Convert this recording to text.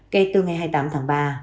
kể từ ngày hai mươi tám tháng ba